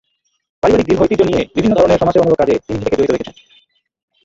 পারিবারিক দীর্ঘ ঐতিহ্য নিয়ে বিভিন্ন ধরনের সমাজসেবামূলক কাজে তিনি নিজেকে জড়িত রেখেছেন।